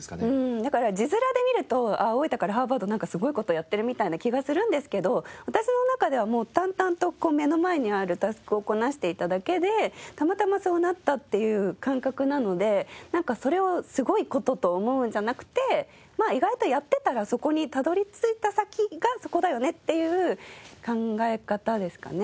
だから字面で見ると大分からハーバードなんかすごい事をやってるみたいな気がするんですけど私の中ではもう淡々と目の前にあるタスクをこなしていただけでたまたまそうなったっていう感覚なのでなんかそれをすごい事と思うんじゃなくて意外とやってたらそこにたどり着いた先がそこだよねっていう考え方ですかね。